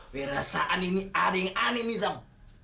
berasa aneh nih ading aneh nih jang